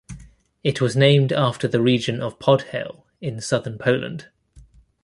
It was named after the region of Podhale in southern Poland.